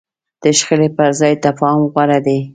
د شخړې پر ځای تفاهم غوره دی.